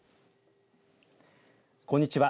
こんにちは。